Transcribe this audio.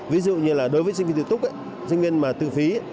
ví dụ như là đối với sinh viên tự túc sinh viên mà tư phí